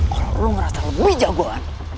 kalau lo ngerasa lebih jagoan